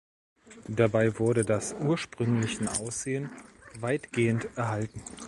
Dabei wurde das ursprünglichen Aussehen weitgehend erhalten.